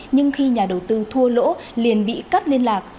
nhưng khi nhà đầu tư thua lỗ liền bị cắt liên lạc